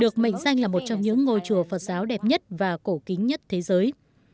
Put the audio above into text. chính là một trong những ngôi chùa phật giáo đẹp nhất và cổ kính nhất thế giới